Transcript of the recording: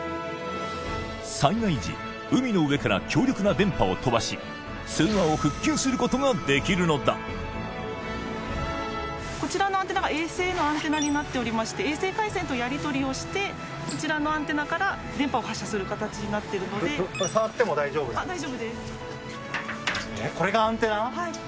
災害時海の上から強力な電波を飛ばし通話を復旧することができるのだこちらのアンテナが衛星のアンテナになっておりまして衛星回線とやりとりをしてこちらのアンテナから電波を発射する形になってるので触っても大丈夫ですか？